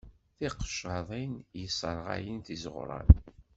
D tiqeccaḍin i yesserɣayen izeɣwṛan.